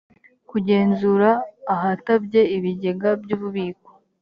kugenzura ahatabye ibigega by ububiko